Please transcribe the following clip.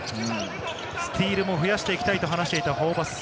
スティールも増やしていきたいと話していたホーバスＨＣ。